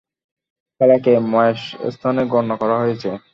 খালাকে মায়ের স্থানে গণ্য করা হয়েছে।